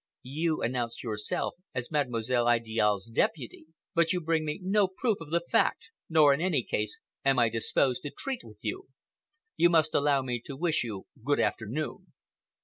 You announce yourself as Mademoiselle Idiale's deputy, but you bring me no proof of the fact, nor, in any case, am I disposed to treat with you. You must allow me to wish you good afternoon."